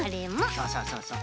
そうそうそうそう。